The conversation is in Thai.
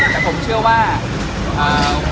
แต่ผมเชื่อว่าเอ่อ